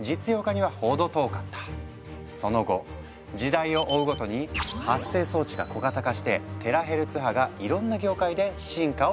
その後時代を追うごとに発生装置が小型化してテラヘルツ波がいろんな業界で真価を発揮していく。